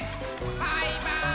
バイバーイ！